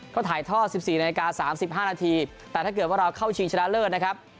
ก็ถ่ายท่อ๑๔นาฬิกา๓๕นาทีแต่ถ้าเกิดว่าเราเข้าชิงชนะเลิศนะครับ